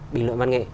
bình luận văn nghệ